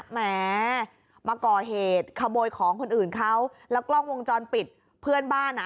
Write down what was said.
แหมมาก่อเหตุขโมยของคนอื่นเขาแล้วกล้องวงจรปิดเพื่อนบ้านอ่ะ